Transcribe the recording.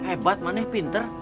hebat manis pinter